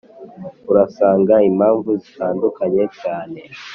urasanga impamvu zitadukanye cyane